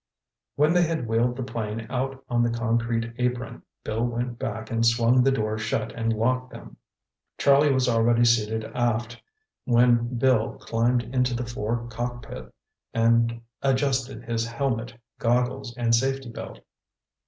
When they had wheeled the plane out on the concrete apron, Bill went back and swung the doors shut and locked them. Charlie was already seated aft when Bill climbed into the fore cockpit and adjusted his helmet, goggles and safety belt.